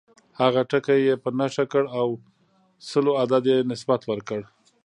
هغه ټکی یې په نښه کړ او سلو عدد یې نسبت ورکړ.